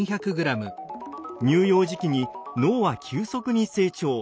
乳幼児期に脳は急速に成長。